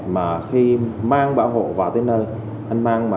mà khi mang bảo hộ vào tới nơi đó